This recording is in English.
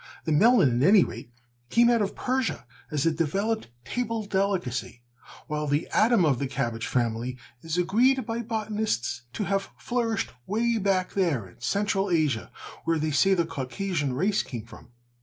The melon, at any rate, came out of Persia as a developed table delicacy, while the Adam of the cabbage family is agreed by botanists to have flourished way back there in Central Asia, where they say the Caucasian race came from.